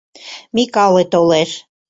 Микале толеш.